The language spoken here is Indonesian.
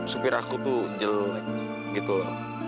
supir aku tuh jelek gitu loh